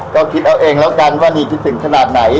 ก็คิดเอาเองแล้วกันว่านีคิดถึงขนาดไหน